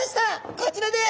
こちらです。